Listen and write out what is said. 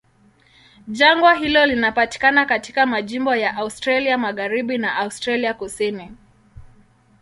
Jangwa hilo linapatikana katika majimbo ya Australia Magharibi na Australia Kusini.